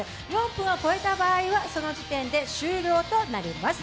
４分を超えた場合はその時点で終了となります。